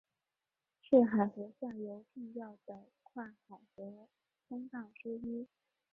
是海河下游重要的跨海河通道之一。